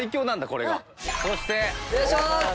これがそしてお願いします！